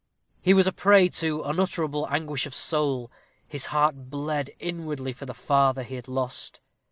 He was a prey to unutterable anguish of soul; his heart bled inwardly for the father he had lost.